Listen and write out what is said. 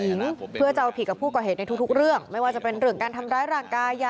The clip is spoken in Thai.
ของดีฮั่วกลัวผิดกับผู้ก่อเหตุในทุกเรื่องไม่ว่าจะเป็นเรื่องการทำลายรางกาย